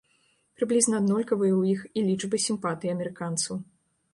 Прыблізна аднолькавыя ў іх і лічбы сімпатый амерыканцаў.